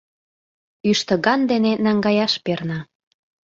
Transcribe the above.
Ӱштыган дене наҥгаяш перна...